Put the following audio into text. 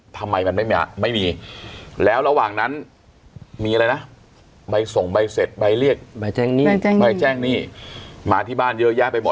ทำไมมันไม่มีไม่มีแล้วระหว่างนั้นมีอะไรนะใบส่งใบเสร็จใบเรียกใบแจ้งหนี้ใบแจ้งหนี้มาที่บ้านเยอะแยะไปหมด